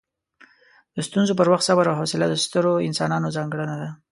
د ستونزو پر وخت صبر او حوصله د سترو انسانانو ځانګړنه ده.